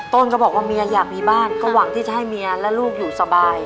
ต้นก็บอกว่าเมียอยากมีบ้านก็หวังที่จะให้เมียและลูกอยู่สบาย